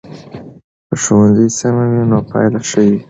که ښوونځی سم وي نو پایله ښه وي.